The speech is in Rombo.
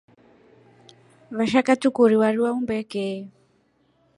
Vashaka tukundii warii wa umbeke.